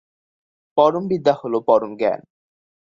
পরম বিদ্যা হল পরম জ্ঞান।